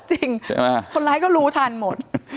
จริงคนร้ายก็รู้ทันหมด